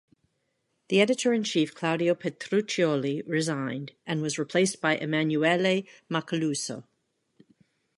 The editor-in-chief Claudio Petruccioli resigned and was replaced by Emanuele Macaluso.